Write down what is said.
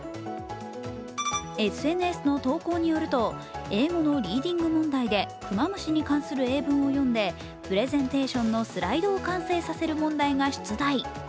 ＳＮＳの投稿によると、英語のリーディング問題でクマムシに関する英文を読んでプレゼンテーションのスライドを完成させる問題が出題。